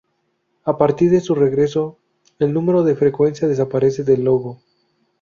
A partir de su regreso, el número de frecuencia desaparece del logo.